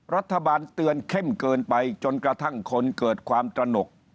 รัฐบาลเตือนเข้มเกินไปจนกระทั่งคนเกิดความตระหนก